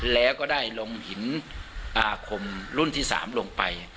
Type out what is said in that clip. แล้วก็ได้ลงหินอาคมรุ่นที่๓ลงไป